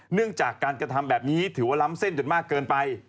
เนื่องจากการกระทำแบบนี้ถือว่าล้ำเส้นจนมากเกินไป